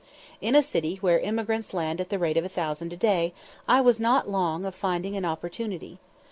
In a city where emigrants land at the rate of a thousand a day, I was not long of finding an opportunity.